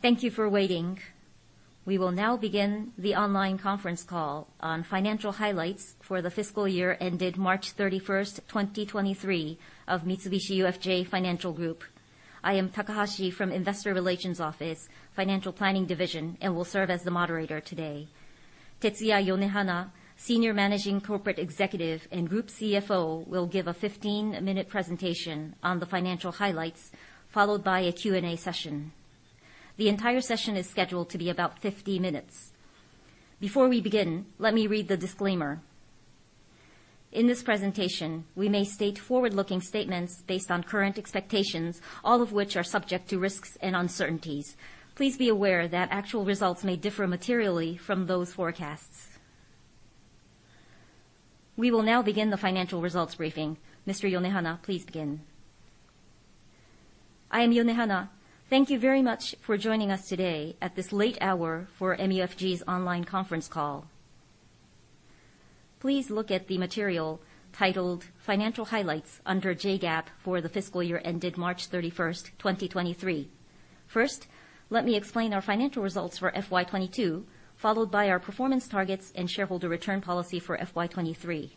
Thank you for waiting. We will now begin the online conference call on financial highlights for the fiscal year ended March 31st, 2023 of Mitsubishi UFJ Financial Group. I am Takahashi from Investor Relations Office, Financial Planning Division, and will serve as the moderator today. Tetsuya Yonehana, Senior Managing Corporate Executive and Group CFO, will give a 15-minute presentation on the financial highlights, followed by a Q&A session. The entire session is scheduled to be about 50 minutes. Before we begin, let me read the disclaimer. In this presentation, we may state forward-looking statements based on current expectations, all of which are subject to risks and uncertainties. Please be aware that actual results may differ materially from those forecasts. We will now begin the financial results briefing. Mr. Yonehana, please begin. I am Yonehana. Thank you very much for joining us today at this late hour for MUFG's online conference call. Please look at the material titled Financial Highlights under JGAAP for the fiscal year ended March 31st, 2023. First, let me explain our financial results for FY22, followed by our performance targets and shareholder return policy for FY23.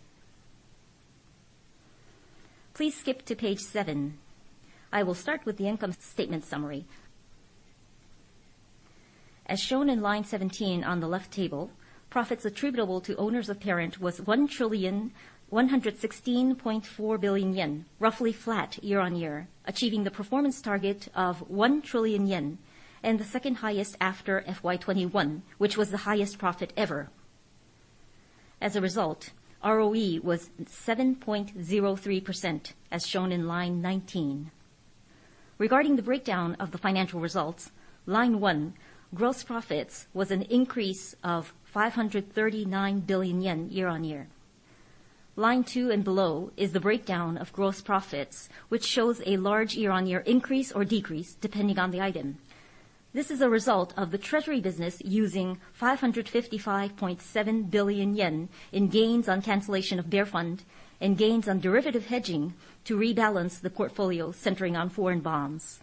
Please skip to page 7. I will start with the income statement summary. As shown in line 17 on the left table, profits attributable to owners of parent was 1,116.4 billion yen, roughly flat year-on-year, achieving the performance target of 1 trillion yen, and the second highest after FY21, which was the highest profit ever. As a result, ROE was 7.03%, as shown in line 19. Regarding the breakdown of the financial results, line one, gross profits was an increase of 539 billion yen year-on-year. Line two and below is the breakdown of gross profits, which shows a large year-on-year increase or decrease depending on the item. This is a result of the treasury business using 555.7 billion yen in gains on cancellation of bear fund and gains on derivative hedging to rebalance the portfolio centering on foreign bonds.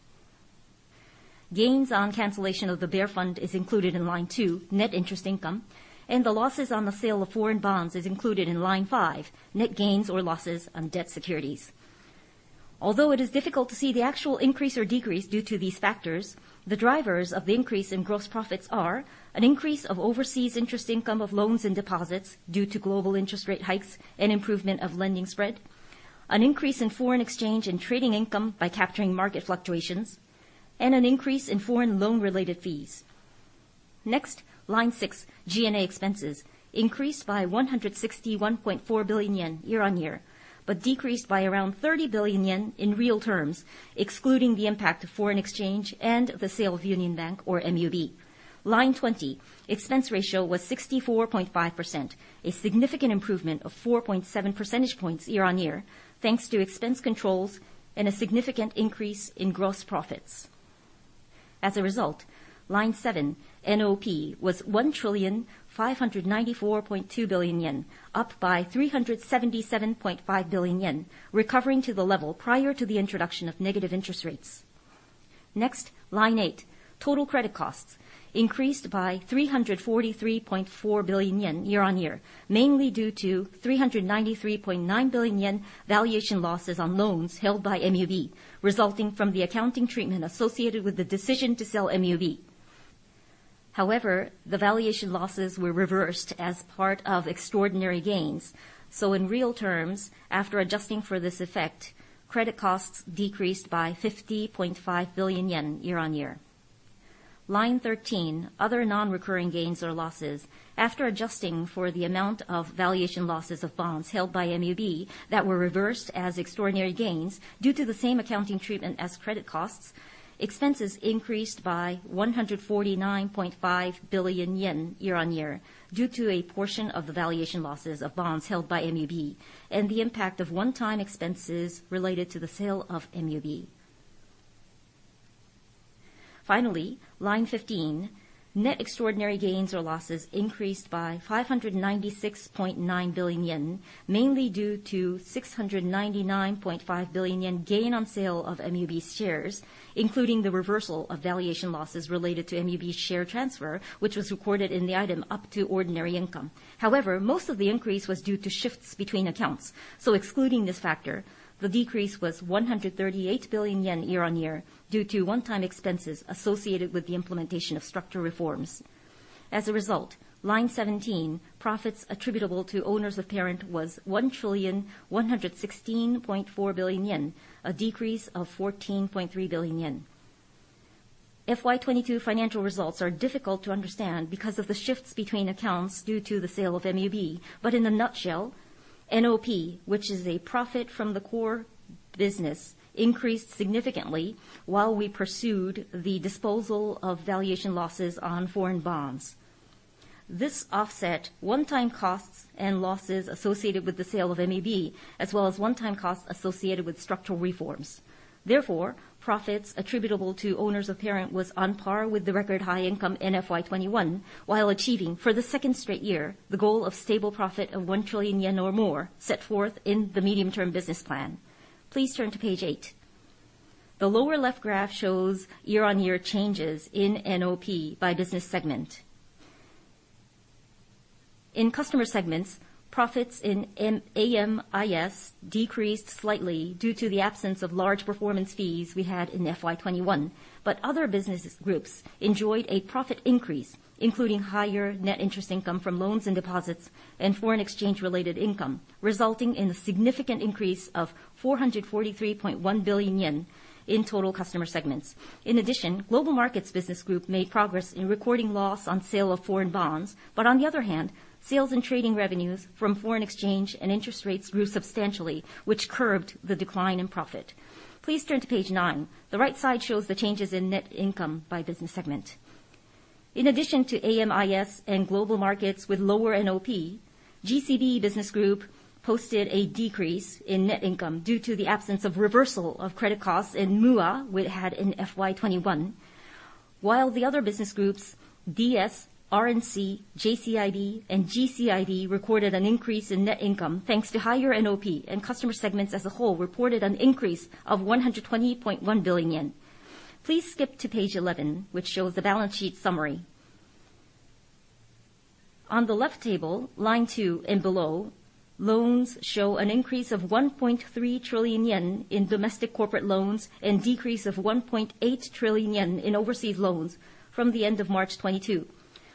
Gains on cancellation of the bear fund is included in line two, net interest income, and the losses on the sale of foreign bonds is included in line five, net gains or losses on debt securities. Although it is difficult to see the actual increase or decrease due to these factors, the drivers of the increase in gross profits are an increase of overseas interest income of loans and deposits due to global interest rate hikes and improvement of lending spread, an increase in foreign exchange and trading income by capturing market fluctuations, and an increase in foreign loan-related fees. Line 6, G&A expenses, increased by 161.4 billion yen year-on-year, but decreased by around 30 billion yen in real terms, excluding the impact of foreign exchange and the sale of Union Bank or MUB. Line 20, expense ratio was 64.5%, a significant improvement of 4.7 percentage points year-on-year, thanks to expense controls and a significant increase in gross profits. As a result, line 7, NOP, was 1,594.2 billion yen, up by 377.5 billion yen, recovering to the level prior to the introduction of negative interest rates. Next, line 8, total credit costs, increased by 343.4 billion yen year-on-year, mainly due to 393.9 billion yen valuation losses on loans held by MUB, resulting from the accounting treatment associated with the decision to sell MUB. However, the valuation losses were reversed as part of extraordinary gains. In real terms, after adjusting for this effect, credit costs decreased by 50.5 billion yen year-on-year. Line 13, other non-recurring gains or losses. After adjusting for the amount of valuation losses of bonds held by MUB that were reversed as extraordinary gains due to the same accounting treatment as credit costs, expenses increased by 149.5 billion yen year-on-year due to a portion of the valuation losses of bonds held by MUB and the impact of one-time expenses related to the sale of MUB. Finally, line 15, net extraordinary gains or losses increased by 596.9 billion yen, mainly due to 699.5 billion yen gain on sale of MUB's shares, including the reversal of valuation losses related to MUB's share transfer, which was recorded in the item up to ordinary income. However, most of the increase was due to shifts between accounts. Excluding this factor, the decrease was 138 billion yen year-on-year due to one-time expenses associated with the implementation of structural reforms. As a result, line 17, profits attributable to owners of parent was 1,116.4 billion yen, a decrease of 14.3 billion yen. FY 2022 financial results are difficult to understand because of the shifts between accounts due to the sale of MUB. In a nutshell, NOP, which is a profit from the core business, increased significantly while we pursued the disposal of valuation losses on foreign bonds. This offset one-time costs and losses associated with the sale of MUB, as well as one-time costs associated with structural reforms. Profits attributable to owners of parent was on par with the record high income in FY 2021, while achieving, for the second straight year, the goal of stable profit of 1 trillion yen or more set forth in the Medium-term Business Plan. Please turn to page 8. The lower-left graph shows year-on-year changes in NOP by business segment. In customer segments, profits in AM/IS decreased slightly due to the absence of large performance fees we had in FY 2021. Other business groups enjoyed a profit increase, including higher net interest income from loans and deposits and foreign exchange-related income, resulting in a significant increase of 443.1 billion yen in total customer segments. In addition, Global Markets Business Group made progress in recording loss on sale of foreign bonds. On the other hand, sales and trading revenues from foreign exchange and interest rates grew substantially, which curbed the decline in profit. Please turn to page 9. The right side shows the changes in net income by business segment. In addition to AMIS and Global Markets with lower NOP, GCB business group posted a decrease in net income due to the absence of reversal of credit costs in MUAH we had in FY 21. While the other business groups, DS, RNC, JCID, and GCIB, recorded an increase in net income thanks to higher NOP, and customer segments as a whole reported an increase of 120.1 billion yen. Please skip to page 11, which shows the balance sheet summary. On the left table, line 2 and below, loans show an increase of 1.3 trillion yen in domestic corporate loans and decrease of 1.8 trillion yen in overseas loans from the end of March 2022.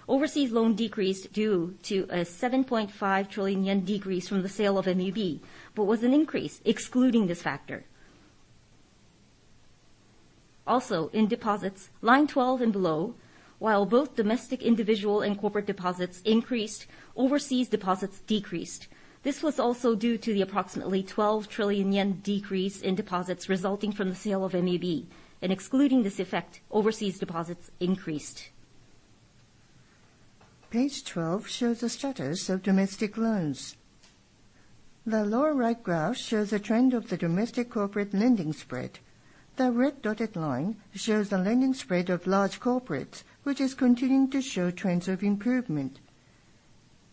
Overseas loan decreased due to a 7.5 trillion yen decrease from the sale of MUB, but was an increase excluding this factor. In deposits, line 12 and below, while both domestic, individual, and corporate deposits increased, overseas deposits decreased. This was also due to the approximately 12 trillion yen decrease in deposits resulting from the sale of MUB. Excluding this effect, overseas deposits increased. Page 12 shows the status of domestic loans. The lower right graph shows a trend of the domestic corporate lending spread. The red dotted line shows the lending spread of large corporates, which is continuing to show trends of improvement.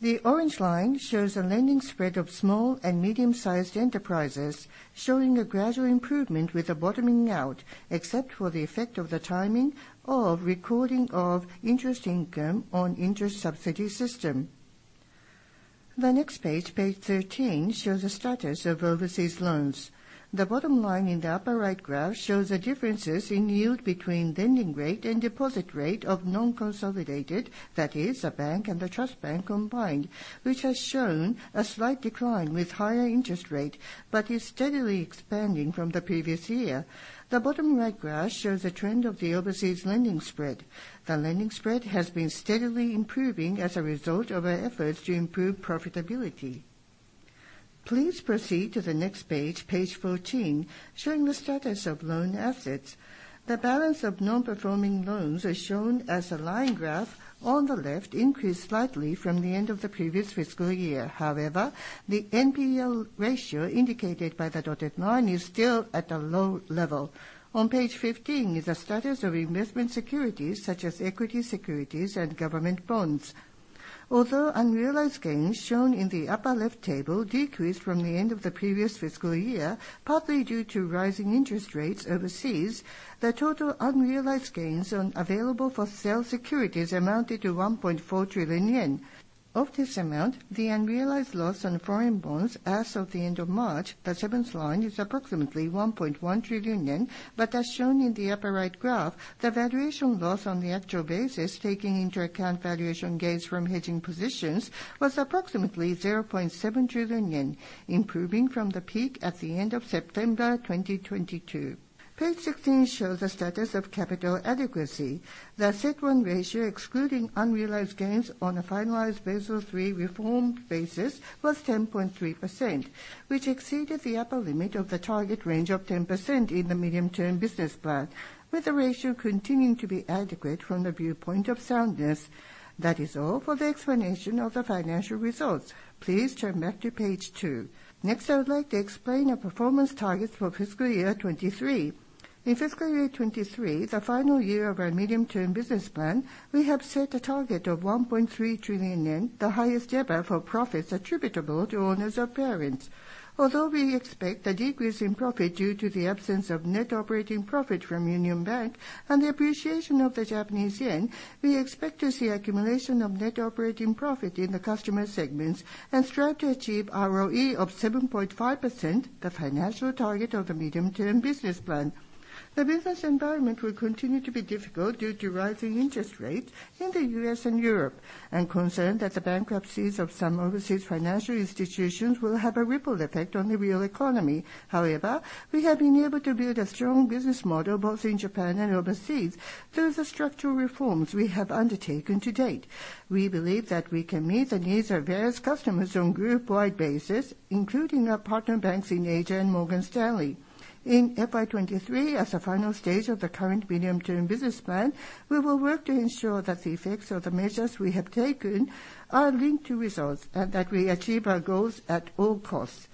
The orange line shows the lending spread of small and medium-sized enterprises, showing a gradual improvement with a bottoming out, except for the effect of the timing of recording of interest income on interest subsidy system. The next page 13, shows the status of overseas loans. The bottom line in the upper right graph shows the differences in yield between lending rate and deposit rate of non-consolidated, that is a bank and the trust bank combined, which has shown a slight decline with higher interest rate but is steadily expanding from the previous year. The bottom right graph shows the trend of the overseas lending spread. The lending spread has been steadily improving as a result of our efforts to improve profitability. Please proceed to the next page 14, showing the status of loan assets. The balance of non-performing loans is shown as a line graph on the left increased slightly from the end of the previous fiscal year. The NPL ratio indicated by the dotted line is still at a low level. On page 15 is the status of investment securities such as equity securities and government bonds. Although unrealized gains shown in the upper left table decreased from the end of the previous fiscal year, partly due to rising interest rates overseas, the total unrealized gains on available-for-sale securities amounted to 1.4 trillion yen. Of this amount, the unrealized loss on foreign bonds as of the end of March, the seventh line, is approximately 1.1 trillion yen, but as shown in the upper right graph, the valuation loss on the actual basis, taking into account valuation gains from hedging positions, was approximately 0.7 trillion yen, improving from the peak at the end of September 2022. Page 16 shows the status of capital adequacy. The CET1 ratio, excluding unrealized gains on a finalized Basel III reform basis, was 10.3%, which exceeded the upper limit of the target range of 10% in the Medium-term Business Plan, with the ratio continuing to be adequate from the viewpoint of soundness. That is all for the explanation of the financial results. Please turn back to page 2. I would like to explain our performance targets for fiscal year 23. In fiscal year 2023, the final year of our Medium-term Business Plan, we have set a target of 1.3 trillion yen, the highest ever for profits attributable to owners of parents. Although we expect a decrease in profit due to the absence of net operating profit from Union Bank and the appreciation of the Japanese yen, we expect to see accumulation of net operating profit in the customer segments and strive to achieve ROE of 7.5%, the financial target of the Medium-term Business Plan. The business environment will continue to be difficult due to rising interest rates in the U.S. and Europe and concern that the bankruptcies of some overseas financial institutions will have a ripple effect on the real economy. We have been able to build a strong business model both in Japan and overseas through the structural reforms we have undertaken to date. We believe that we can meet the needs of various customers on group-wide basis, including our partner banks in Asia and Morgan Stanley. In FY 23, as a final stage of the current Medium-term Business Plan, we will work to ensure that the effects of the measures we have taken are linked to results and that we achieve our goals at all costs.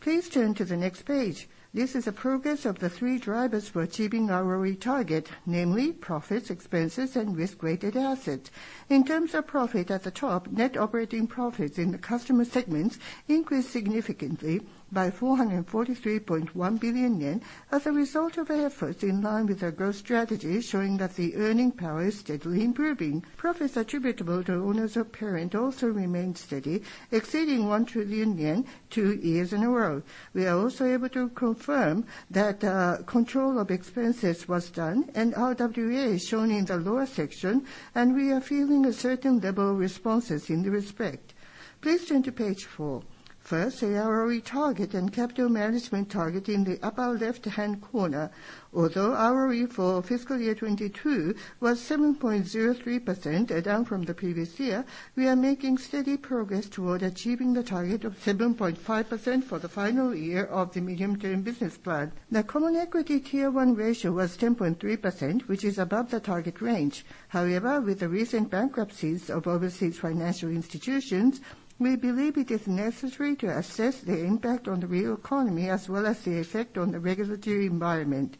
Please turn to the next page. This is a progress of the three drivers for achieving our ROE target, namely profits, expenses, and risk-weighted assets. In terms of profit at the top, net operating profits in the customer segments increased significantly by 443.1 billion yen as a result of efforts in line with our growth strategy, showing that the earning power is steadily improving. Profits attributable to owners of parent also remained steady, exceeding 1 trillion yen two years in a row. We are also able to confirm that control of expenses was done and RWA is shown in the lower section, and we are feeling a certain level of responses in this respect. Please turn to page 4. First, the ROE target and capital management target in the upper left-hand corner. Although ROE for fiscal year 2022 was 7.03% down from the previous year, we are making steady progress toward achieving the target of 7.5% for the final year of the Medium-term Business Plan. The Common Equity Tier 1 ratio was 10.3%, which is above the target range. With the recent bankruptcies of overseas financial institutions, we believe it is necessary to assess the impact on the real economy as well as the effect on the regulatory environment.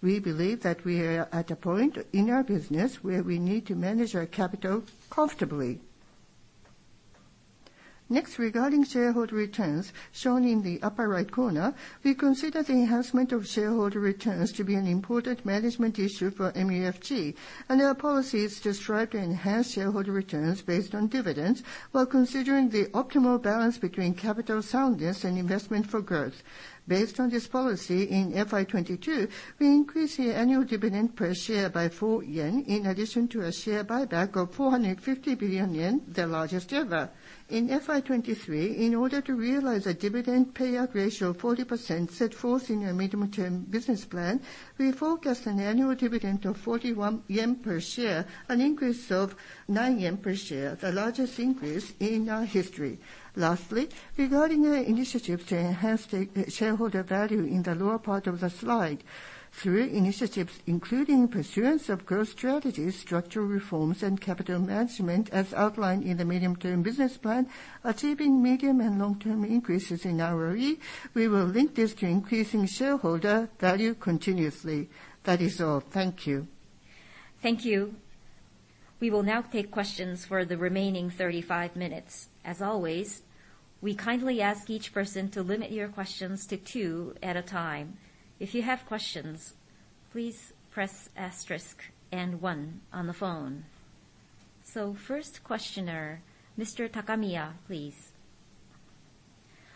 We believe that we are at a point in our business where we need to manage our capital comfortably. Next, regarding shareholder returns shown in the upper right corner, we consider the enhancement of shareholder returns to be an important management issue for MUFG and our policy is to strive to enhance shareholder returns based on dividends while considering the optimal balance between capital soundness and investment for growth. Based on this policy in FY 2022, we increased the annual dividend per share by 4 yen in addition to a share buyback of 450 billion yen, the largest ever. In FY 2023, in order to realize a dividend payout ratio of 40% set forth in our medium-term business plan, we forecast an annual dividend of 41 yen per share, an increase of 9 yen per share, the largest increase in our history. Lastly, regarding our initiative to enhance the shareholder value in the lower part of the slide. Through initiatives including pursuance of growth strategies, structural reforms, and capital management as outlined in the Medium-term Business Plan, achieving medium and long-term increases in ROE, we will link this to increasing shareholder value continuously. That is all. Thank you. Thank you. We will now take questions for the remaining 35 minutes. As always, we kindly ask each person to limit your questions to 2 at a time. If you have questions, please press asterisk and 1 on the phone. First questioner, Mr. Takamiya, please.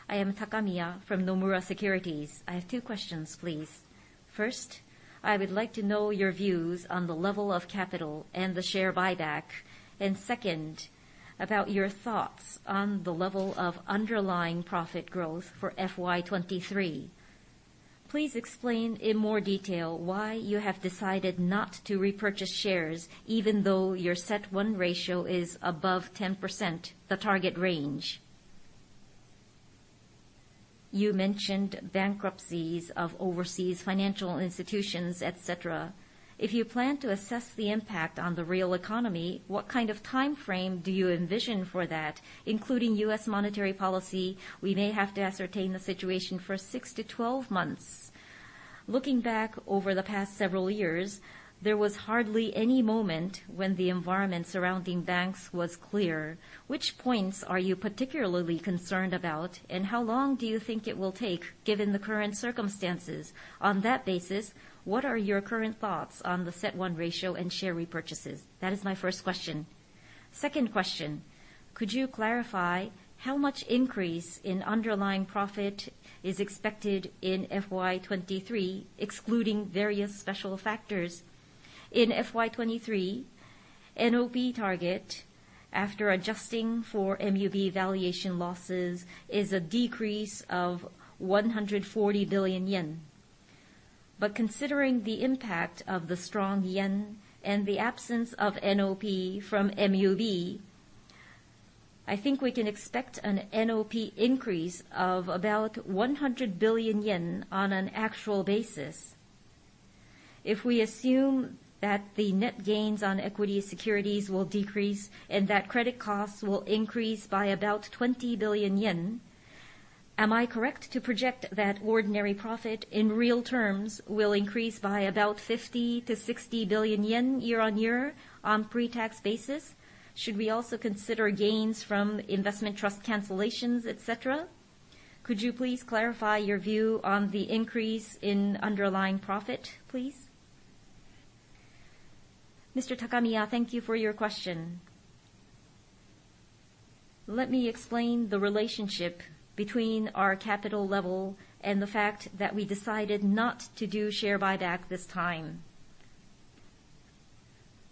I am KSk I have 2 questions, please. First, I would like to know your views on the level of capital and the share buyback, and second, about your thoughts on the level of underlying profit growth for FY 2023. Please explain in more detail why you have decided not to repurchase shares even though your CET1 ratio is above 10%, the target range. You mentioned bankruptcies of overseas financial institutions, et cetera. If you plan to assess the impact on the real economy, what kind of timeframe do you envision for that? Including U.S. monetary policy, we may have to ascertain the situation for 6-12 months. Looking back over the past several years, there was hardly any moment when the environment surrounding banks was clear. Which points are you particularly concerned about, and how long do you think it will take given the current circumstances? On that basis, what are your current thoughts on the CET1 ratio and share repurchases? That is my first question. Second question, could you clarify how much increase in underlying profit is expected in FY 2023, excluding various special factors? In FY 2023, NOP target after adjusting for MUB valuation losses is a decrease of 140 billion yen. Considering the impact of the strong yen and the absence of NOP from MUB, I think we can expect an NOP increase of about 100 billion yen on an actual basis. If we assume that the net gains on equity securities will decrease and that credit costs will increase by about 20 billion yen, am I correct to project that ordinary profit in real terms will increase by about 50 billion-60 billion yen year-on-year on pre-tax basis? Should we also consider gains from investment trust cancellations, et cetera? Could you please clarify your view on the increase in underlying profit, please? Mr. Takamiya, thank you for your question. Let me explain the relationship between our capital level and the fact that we decided not to do share buyback this time.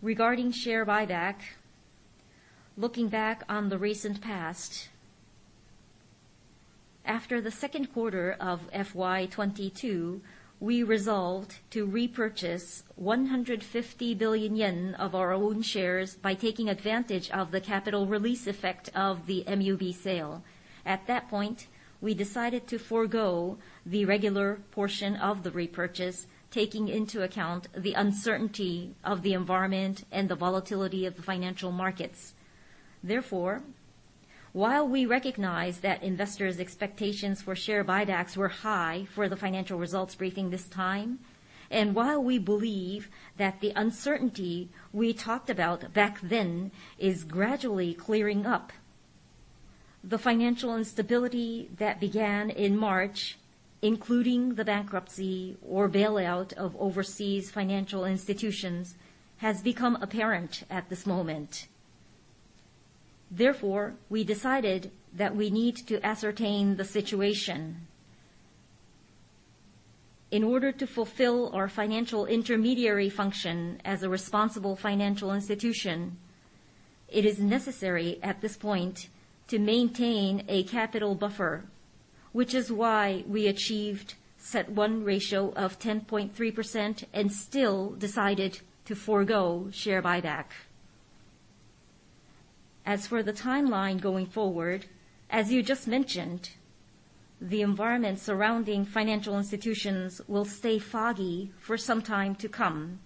Regarding share buyback, looking back on the recent past, after the second quarter of FY 2022, we resolved to repurchase 150 billion yen of our own shares by taking advantage of the capital release effect of the MUB sale. At that point, we decided to forgo the regular portion of the repurchase, taking into account the uncertainty of the environment and the volatility of the financial markets. While we recognize that investors' expectations for share buybacks were high for the financial results briefing this time, and while we believe that the uncertainty we talked about back then is gradually clearing up, the financial instability that began in March, including the bankruptcy or bailout of overseas financial institutions, has become apparent at this moment. We decided that we need to ascertain the situation. In order to fulfill our financial intermediary function as a responsible financial institution, it is necessary at this point to maintain a capital buffer, which is why we achieved CET1 ratio of 10.3% and still decided to forgo share buyback. As for the timeline going forward, as you just mentioned, the environment surrounding financial institutions will stay foggy for some time to come.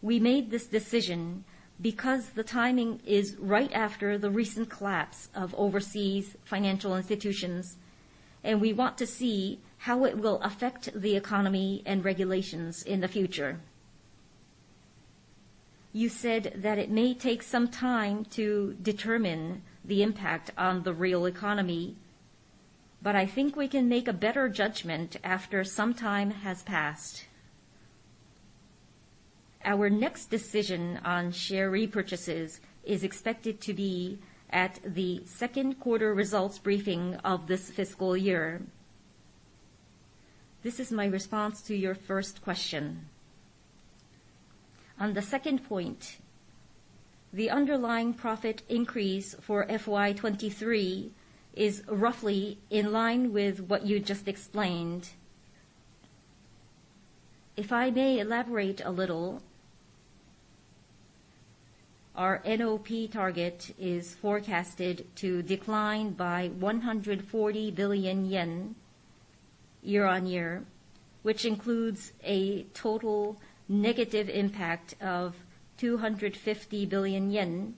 We made this decision because the timing is right after the recent collapse of overseas financial institutions, and we want to see how it will affect the economy and regulations in the future. You said that it may take some time to determine the impact on the real economy, but I think we can make a better judgment after some time has passed. Our next decision on share repurchases is expected to be at the second quarter results briefing of this fiscal year. This is my response to your first question. On the second point, the underlying profit increase for FY 23 is roughly in line with what you just explained. If I may elaborate a little, our NOP target is forecasted to decline by 140 billion yen year-on-year, which includes a total negative impact of 250 billion yen,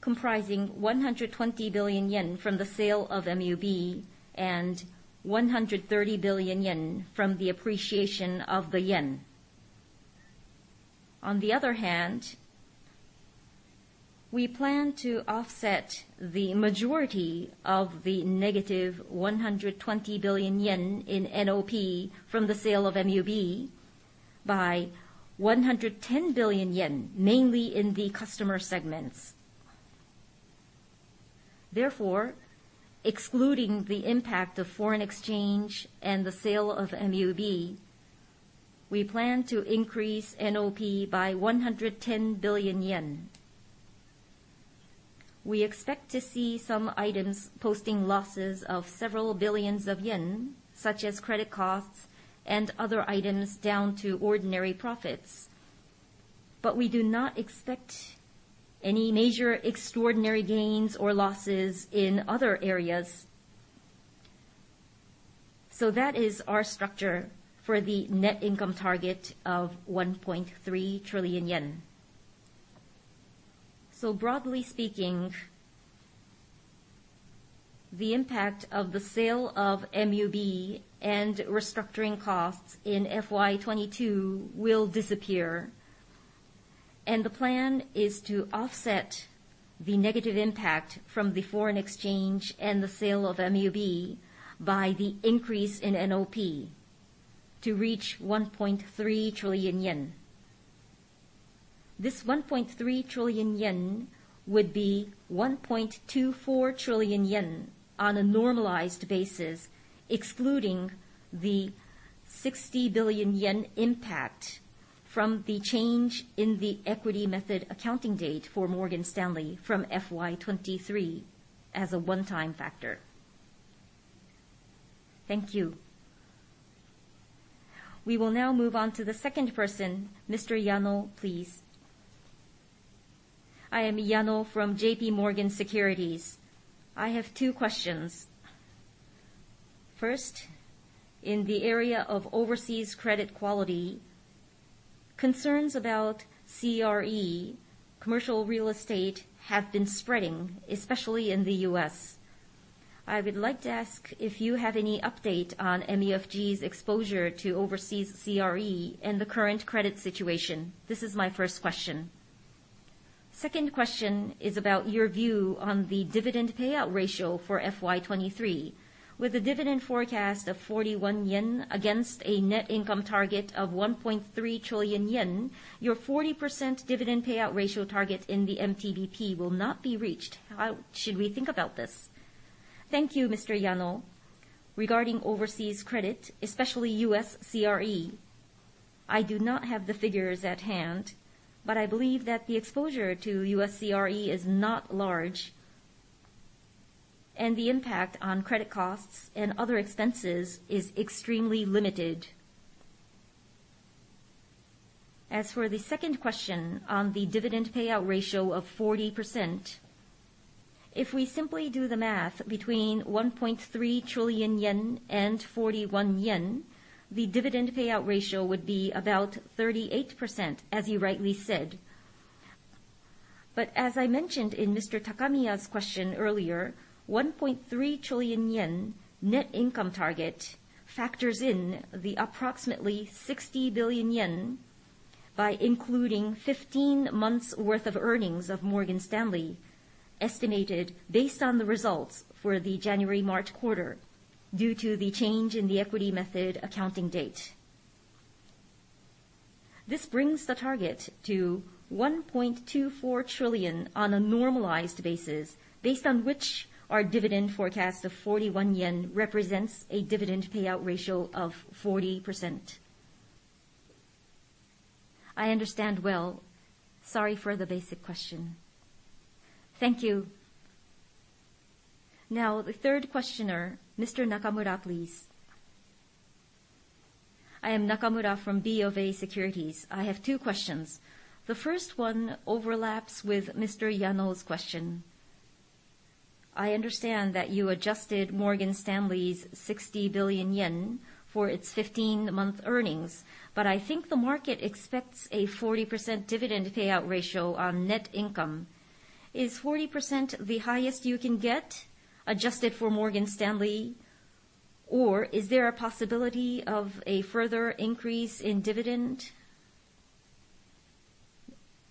comprising 120 billion yen from the sale of MUB and 130 billion yen from the appreciation of the yen. On the other hand, we plan to offset the majority of the negative 120 billion yen in NOP from the sale of MUB by 110 billion yen, mainly in the customer segments. Therefore, excluding the impact of foreign exchange and the sale of MUB, we plan to increase NOP by 110 billion yen. We expect to see some items posting losses of JPY several billions, such as credit costs and other items down to ordinary profits. We do not expect any major extraordinary gains or losses in other areas. That is our structure for the net income target of 1.3 trillion yen. Broadly speaking, the impact of the sale of MUB and restructuring costs in FY 2022 will disappear, and the plan is to offset the negative impact from the foreign exchange and the sale of MUB by the increase in NOP to reach 1.3 trillion yen. This 1.3 trillion yen would be 1.24 trillion yen on a normalized basis, excluding the 60 billion yen impact from the change in the equity method accounting date for Morgan Stanley from FY 2023 as a one-time factor. Thank you. We will now move on to the second person, Mr. Yano, please. I am Yano from J.P. Morgan Securities. I have two questions. First, in the area of overseas credit quality, concerns about CRE, commercial real estate, have been spreading, especially in the U.S. I would like to ask if you have any update on MUFG's exposure to overseas CRE and the current credit situation. This is my first question. Second question is about your view on the dividend payout ratio for FY 2023. With a dividend forecast of 41 yen against a net income target of 1.3 trillion yen, your 40% dividend payout ratio target in the MTBP will not be reached. How should we think about this? Thank you, Mr. Yano. Regarding overseas credit, especially U.S. CRE, I do not have the figures at hand, but I believe that the exposure to U.S. CRE is not large, and the impact on credit costs and other expenses is extremely limited. As for the second question on the dividend payout ratio of 40%. If we simply do the math between 1.3 trillion yen and 41 yen, the dividend payout ratio would be about 38%, as you rightly said. As I mentioned in Mr. Takamiya's question earlier, 1.3 trillion yen net income target factors in the approximately 60 billion yen by including 15 months worth of earnings of Morgan Stanley, estimated based on the results for the January-March quarter due to the change in the equity method accounting date. This brings the target to 1.24 trillion on a normalized basis, based on which our dividend forecast of 41 yen represents a dividend payout ratio of 40%. I understand well. Sorry for the basic question. Thank you. The third questioner, Mr. Nakamura, please. I am Nakamura from BofA Securities. I have two questions. The first one overlaps with Mr. Yano's question. I understand that you adjusted Morgan Stanley's 60 billion yen for its 15-month earnings, but I think the market expects a 40% dividend payout ratio on net income. Is 40% the highest you can get adjusted for Morgan Stanley, or is there a possibility of a further increase in dividend?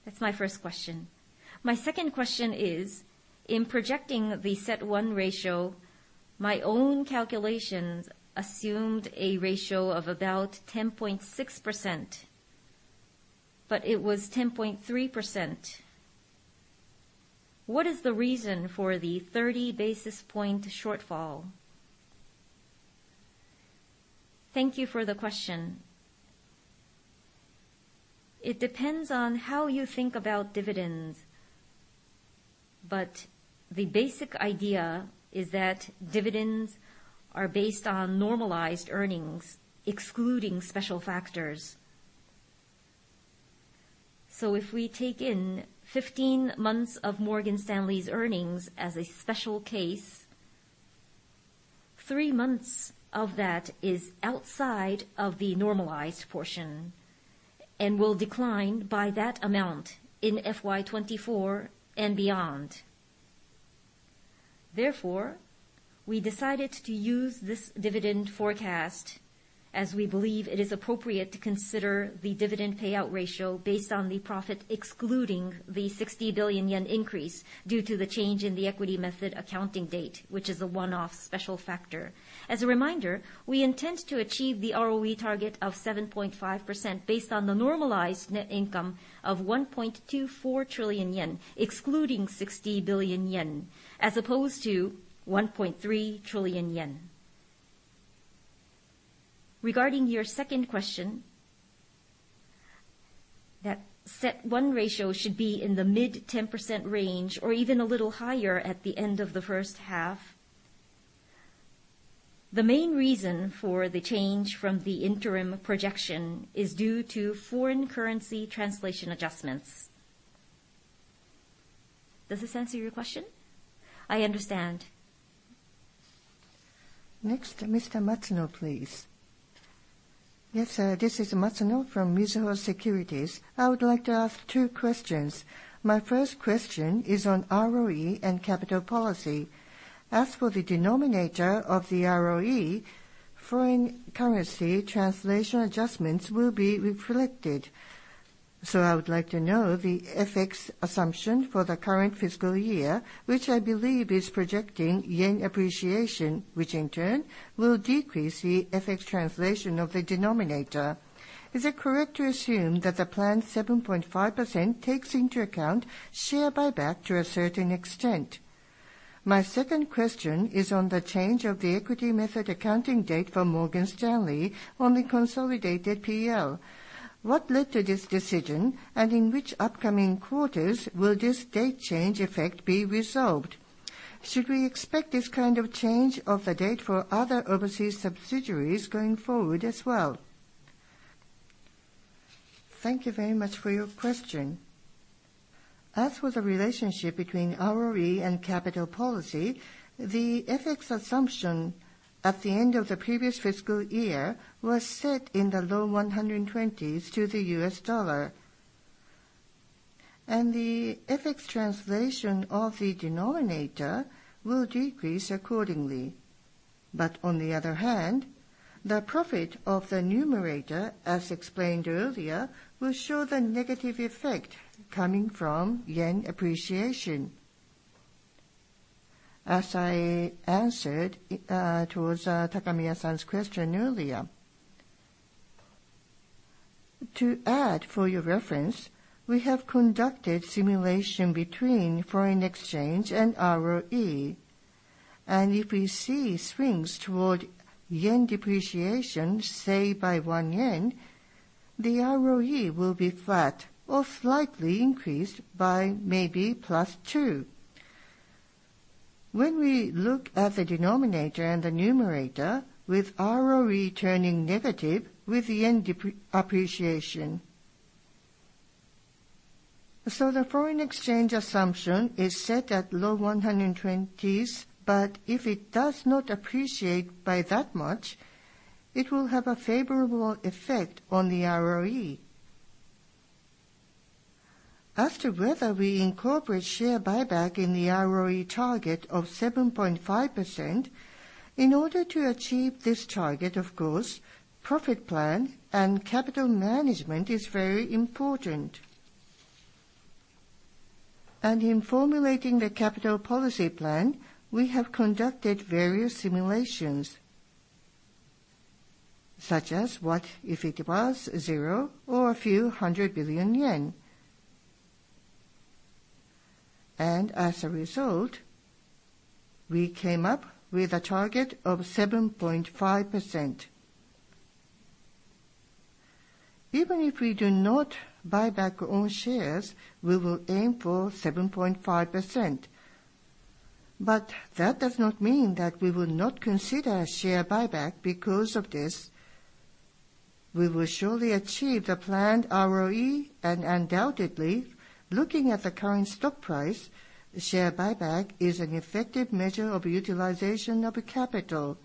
That's my first question. My second question is, in projecting the CET1 ratio, my own calculations assumed a ratio of about 10.6%, but it was 10.3%. What is the reason for the 30 basis point shortfall? Thank you for the question. It depends on how you think about dividends, but the basic idea is that dividends are based on normalized earnings, excluding special factors. If we take in 15 months of Morgan Stanley's earnings as a special case, 3 months of that is outside of the normalized portion and will decline by that amount in FY 2024 and beyond. Therefore, we decided to use this dividend forecast as we believe it is appropriate to consider the dividend payout ratio based on the profit, excluding the 60 billion yen increase due to the change in the equity method accounting date, which is a one-off special factor. As a reminder, we intend to achieve the ROE target of 7.5% based on the normalized net income of 1.24 trillion yen, excluding 60 billion yen, as opposed to 1.3 trillion yen. Regarding your second question, that CET1 ratio should be in the mid-10% range or even a little higher at the end of the first half. The main reason for the change from the interim projection is due to foreign currency translation adjustments. Does this answer your question? I understand. Next, Mr. Matsuno, please. Yes, this is Matsuno from Mizuho Securities. I would like to ask 2 questions. My first question is on ROE and capital policy. As for the denominator of the ROE, foreign currency translation adjustments will be reflected. I would like to know the FX assumption for the current fiscal year, which I believe is projecting yen appreciation, which in turn will decrease the FX translation of the denominator. Is it correct to assume that the planned 7.5% takes into account share buyback to a certain extent? My second question is on the change of the equity method accounting date for Morgan Stanley on the consolidated PL. What led to this decision, and in which upcoming quarters will this date change effect be resolved? Should we expect this kind of change of the date for other overseas subsidiaries going forward as well? Thank you very much for your question. As for the relationship between ROE and capital policy, the FX assumption at the end of the previous fiscal year was set in the low 120s to the US dollar. The FX translation of the denominator will decrease accordingly. On the other hand, the profit of the numerator, as explained earlier, will show the negative effect coming from yen appreciation, as I answered towards Takamiya-san's question earlier. To add for your reference, we have conducted simulation between foreign exchange and ROE. If we see swings toward yen depreciation, say by 1 yen, the ROE will be flat or slightly increased by maybe +2. When we look at the denominator and the numerator with ROE turning negative with yen appreciation. The foreign exchange assumption is set at low 120s, but if it does not appreciate by that much, it will have a favorable effect on the ROE. As to whether we incorporate share buyback in the ROE target of 7.5%, in order to achieve this target, of course, profit plan and capital management is very important. In formulating the capital policy plan, we have conducted various simulations, such as what if it was 0 or a few 100 billion yen. As a result, we came up with a target of 7.5%. Even if we do not buy back our own shares, we will aim for 7.5%. That does not mean that we will not consider share buyback because of this. We will surely achieve the planned ROE and undoubtedly, looking at the current stock price, share buyback is an effective measure of utilization of capital.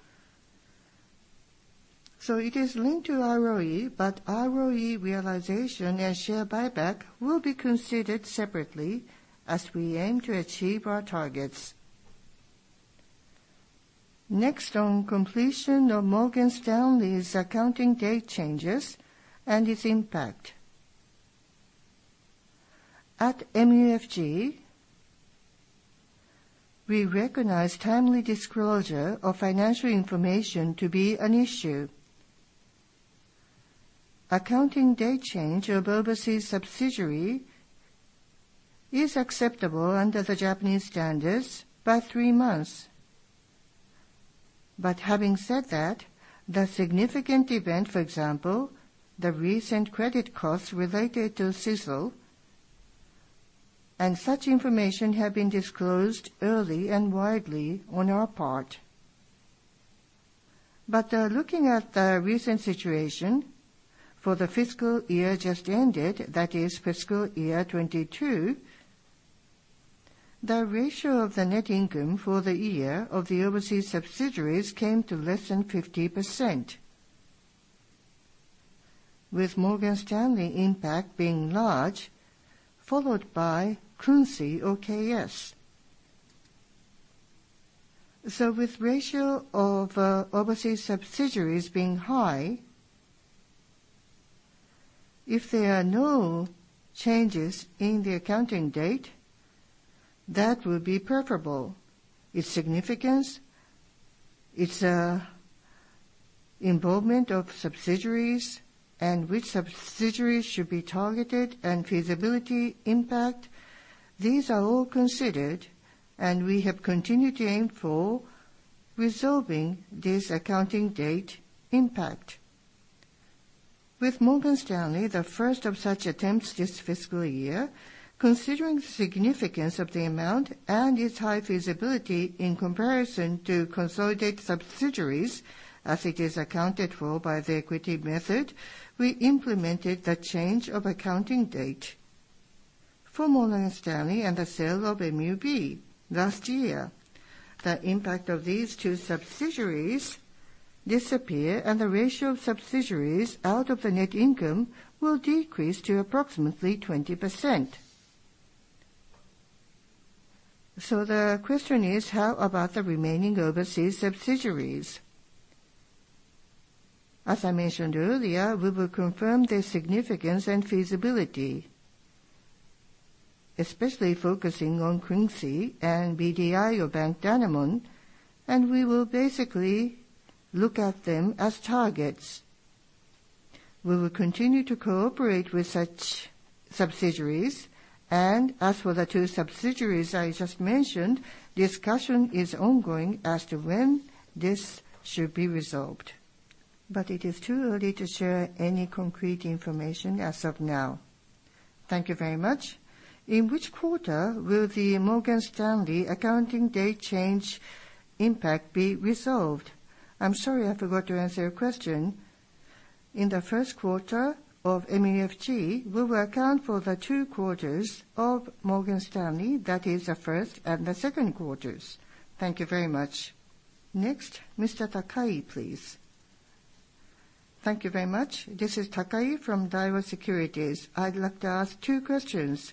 It is linked to ROE, but ROE realization and share buyback will be considered separately as we aim to achieve our targets. Next on completion of Morgan Stanley's accounting date changes and its impact. At MUFG, we recognize timely disclosure of financial information to be an issue. Accounting date change of overseas subsidiary is acceptable under the Japanese standards by 3 months. Having said that, the significant event, for example, the recent credit costs related to SISL, and such information have been disclosed early and widely on our part. Looking at the recent situation for the fiscal year just ended, that is fiscal year 22, the ratio of the net income for the year of the overseas subsidiaries came to less than 50%, with Morgan Stanley impact being large, followed by Krungsri or KS. With ratio of overseas subsidiaries being high, if there are no changes in the accounting date, that would be preferable. Its significance, its involvement of subsidiaries, and which subsidiaries should be targeted, and feasibility impact, these are all considered, and we have continued to aim for resolving this accounting date impact. With Morgan Stanley, the first of such attempts this fiscal year, considering the significance of the amount and its high feasibility in comparison to consolidated subsidiaries, as it is accounted for by the equity method, we implemented the change of accounting date. For Morgan Stanley and the sale of MUB last year, the impact of these two subsidiaries disappear, the ratio of subsidiaries out of the net income will decrease to approximately 20%. The question is, how about the remaining overseas subsidiaries? As I mentioned earlier, we will confirm the significance and feasibility, especially focusing on Krungsri and BDI or Bank Danamon, we will basically look at them as targets. We will continue to cooperate with such subsidiaries, as for the two subsidiaries I just mentioned, discussion is ongoing as to when this should be resolved. It is too early to share any concrete information as of now. Thank you very much. In which quarter will the Morgan Stanley accounting date change impact be resolved? I'm sorry, I forgot to answer your question. In the first quarter of MUFG, we will account for the 2 quarters of Morgan Stanley. That is the first and the second quarters. Thank you very much. Next, Mr. Takai, please. Thank you very much. This is Takai from Daiwa Securities. I'd like to ask 2 questions.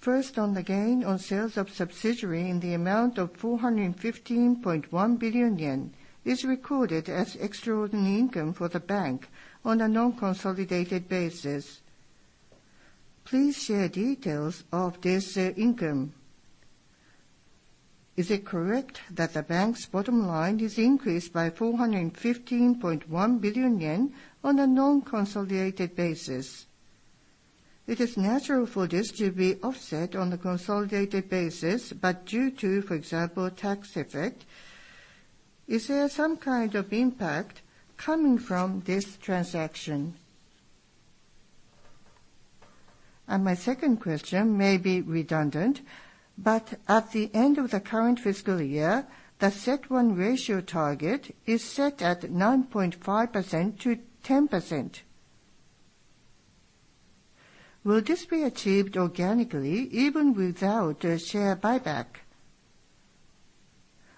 First, on the gain on sales of subsidiary in the amount of 415.1 billion yen is recorded as extraordinary income for the bank on a non-consolidated basis. Please share details of this income. Is it correct that the bank's bottom line is increased by 415.1 billion yen on a non-consolidated basis? It is natural for this to be offset on a consolidated basis, but due to, for example, tax effect, is there some kind of impact coming from this transaction? My second question may be redundant, but at the end of the current fiscal year, the CET1 ratio target is set at 9.5% to 10%. Will this be achieved organically even without a share buyback?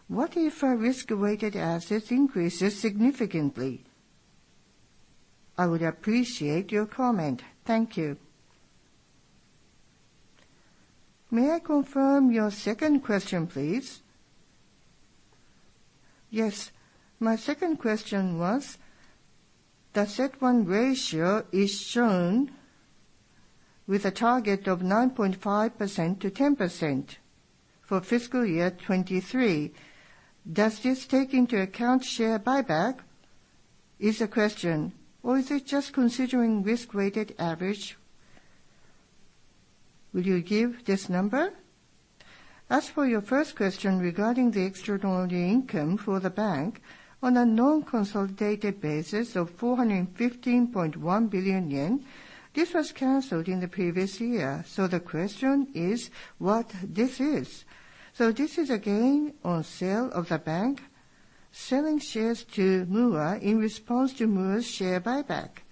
What if our risk-weighted assets increases significantly? I would appreciate your comment. Thank you. May I confirm your second question, please? Yes. My second question was, the CET1 ratio is shown with a target of 9.5% to 10% for fiscal year 2023. Does this take into account share buyback, is the question, or is it just considering risk-weighted average? Will you give this number? As for your first question regarding the extraordinary income for the bank on a non-consolidated basis of 415.1 billion yen, this was canceled in the previous year. The question is what this is. This is a gain on sale of the bank, selling shares to MUFG in response to MUFG's share buyback.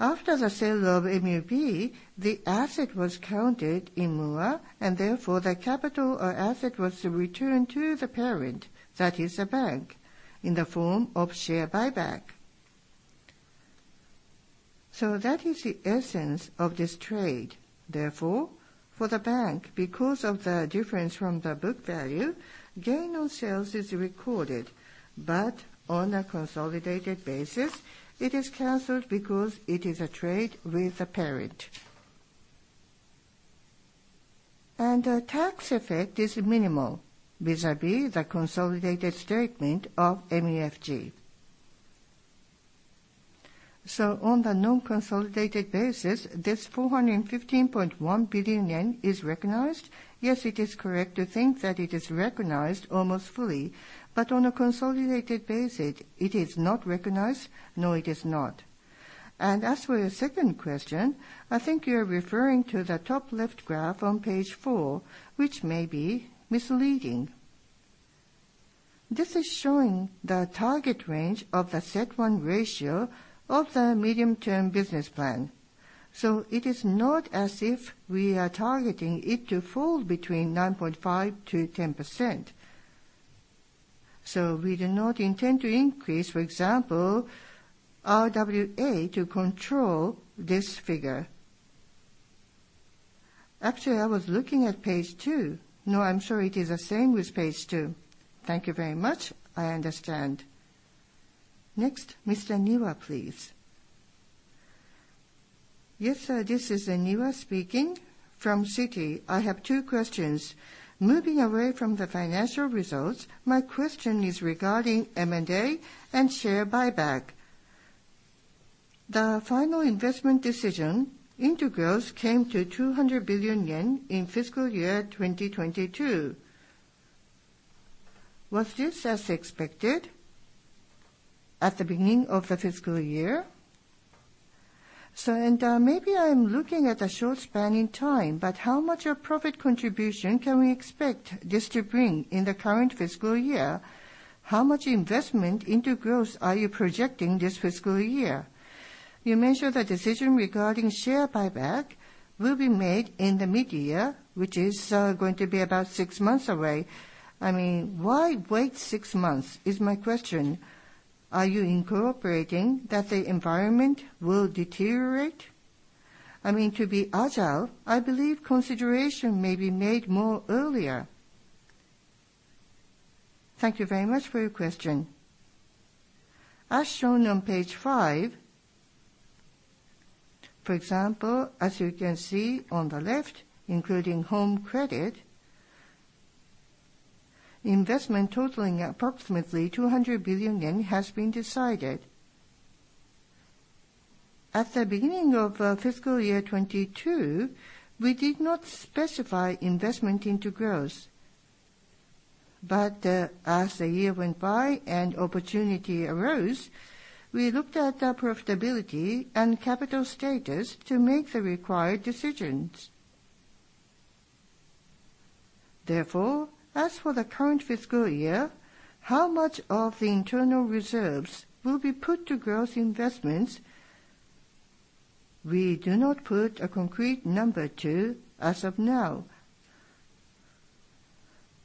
After the sale of MUFG, the asset was counted in MUFG, and therefore, the capital or asset was returned to the parent, that is the bank, in the form of share buyback. That is the essence of this trade. For the bank, because of the difference from the book value, gain on sale is recorded, but on a consolidated basis, it is canceled because it is a trade with the parent. The tax effect is minimal vis-à-vis the consolidated statement of MUFG. On the non-consolidated basis, this 415.1 billion yen is recognized. Yes, it is correct to think that it is recognized almost fully, but on a consolidated basis, it is not recognized. No, it is not. As for your second question, I think you're referring to the top left graph on page four, which may be misleading. This is showing the target range of the CET1 ratio of the Medium-term Business Plan, so it is not as if we are targeting it to fall between 9.5% to 10%. We do not intend to increase, for example, RWA to control this figure. Actually, I was looking at page two. No, I'm sure it is the same with page two. Thank you very much. I understand. Next, Mr. Niwa, please. Yes, sir. This is Niwa speaking from Citi. I have two questions. Moving away from the financial results, my question is regarding M&A and share buyback. The final investment decision into growth came to 200 billion yen in fiscal year 2022. Was this as expected at the beginning of the fiscal year? Maybe I'm looking at a short span in time, but how much of profit contribution can we expect this to bring in the current fiscal year? How much investment into growth are you projecting this fiscal year? You mentioned the decision regarding share buyback will be made in the mid-year, which is going to be about 6 months away. I mean, why wait 6 months, is my question. Are you incorporating that the environment will deteriorate? I mean, to be agile, I believe consideration may be made more earlier. Thank you very much for your question. As shown on page 5, for example, as you can see on the left, including Home Credit, investment totaling approximately 200 billion yen has been decided. At the beginning of fiscal year '22, we did not specify investment into growth. As the year went by and opportunity arose, we looked at the profitability and capital status to make the required decisions. As for the current fiscal year, how much of the internal reserves will be put to growth investments, we do not put a concrete number to as of now.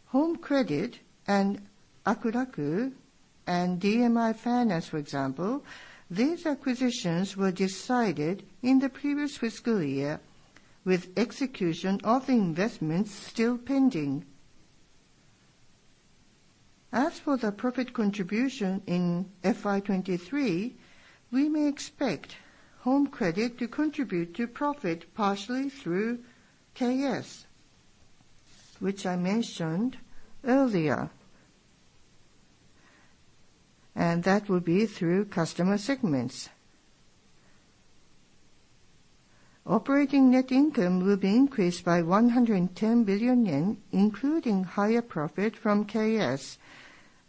Home Credit and Akulaku and DMI Finance, for example, these acquisitions were decided in the previous fiscal year with execution of the investments still pending. As for the profit contribution in FY 23, we may expect Home Credit to contribute to profit partially through KS, which I mentioned earlier. That will be through customer segments. Operating net income will be increased by 110 billion yen, including higher profit from KS.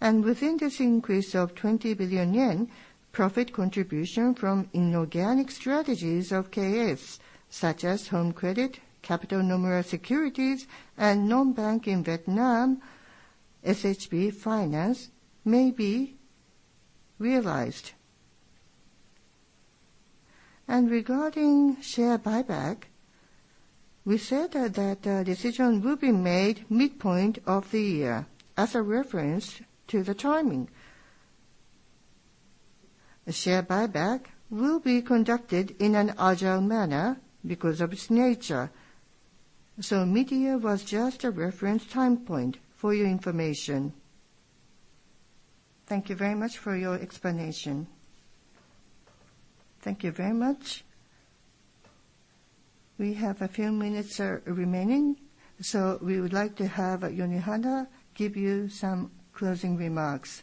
And within this increase of 20 billion yen, profit contribution from inorganic strategies of KS, such as Home Credit, Capital Nomura Securities, and non-bank in Vietnam, SHB Finance may be realized. Regarding share buyback, we said that a decision will be made midpoint of the year as a reference to the timing. A share buyback will be conducted in an agile manner because of its nature. Midyear was just a reference time point for your information. Thank you very much for your explanation. Thank you very much. We have a few minutes remaining, we would like to have Yonehana give you some closing remarks.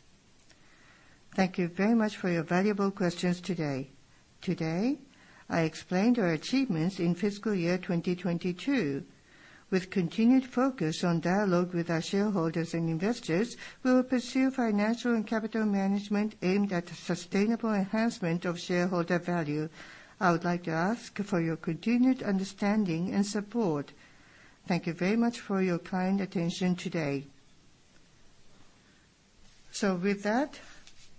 Thank you very much for your valuable questions today. Today, I explained our achievements in fiscal year 2022. With continued focus on dialogue with our shareholders and investors, we will pursue financial and capital management aimed at the sustainable enhancement of shareholder value. I would like to ask for your continued understanding and support. Thank you very much for your kind attention today. With that,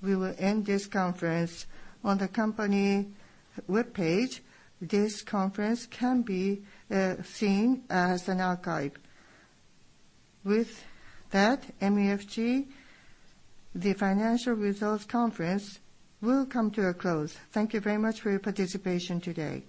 we will end this conference. On the company webpage, this conference can be seen as an archive. With that, MUFG, the financial results conference, will come to a close. Thank you very much for your participation today.